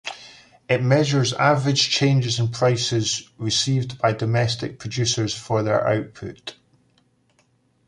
It measures average changes in prices received by domestic producers for their output.